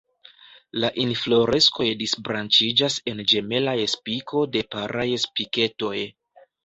La infloreskoj disbranĉiĝas en ĝemelaj spiko de paraj spiketoj.